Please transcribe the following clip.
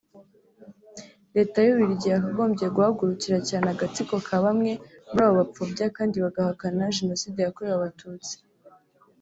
Leta y’u Bubiligi yakagombye guhagurikira cyane agatsiko ka bamwe muri abo bapfobya kandi bagahakana Jenoside yakorewe Abatutsi